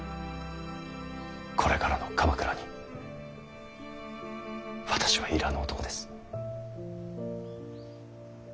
これからの鎌倉に私は要らぬ男です。